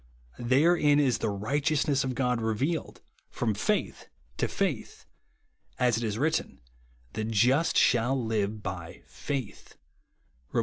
Therein is the righteousness of God revealed from faith to faith: as it is written, The just shall live by faith; (Rom. i.